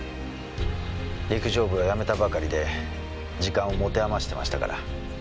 陸上部をやめたばかりで時間をもてあましてましたから。